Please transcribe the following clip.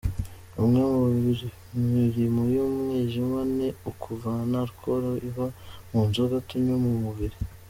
Umwe mu mirimo y’umwijima ni ukuvana “alcohol” iba mu nzoga tunywa mu mubiri.